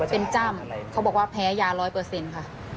เป็นจ้ำเขาบอกว่าแพ้ยา๑๐๐ค่ะ